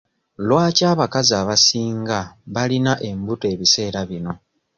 Lwaki abakazi abasinga balina embuto ebiseera bino?